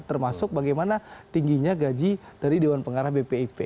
termasuk bagaimana tingginya gaji dari dewan pengarah bpip